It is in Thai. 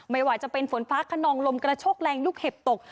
ไม่ว่าจะเป็นฝนฟ้าขนองลมกระโชกแรงลูกเห็บตก